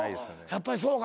やっぱりそうか。